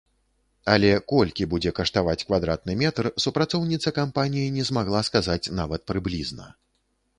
Але колькі будзе каштаваць квадратны метр, супрацоўніца кампаніі не змагла сказаць нават прыблізна.